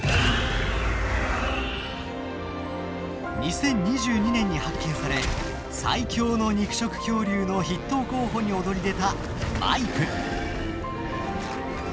２０２２年に発見され最強の肉食恐竜の筆頭候補に躍り出たマイプ。